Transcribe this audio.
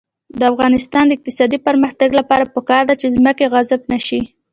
د افغانستان د اقتصادي پرمختګ لپاره پکار ده چې ځمکه غصب نشي.